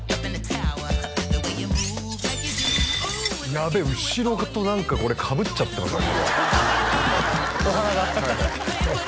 やべえ後ろと何かこれかぶっちゃってますね